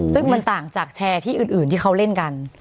ซึ่งมันต่างจากแชร์ที่อื่นที่เขาเล่นกัน